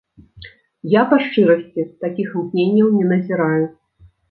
Я, па шчырасці, такіх імкненняў не назіраю.